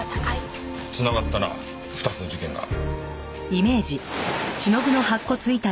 繋がったな２つの事件が。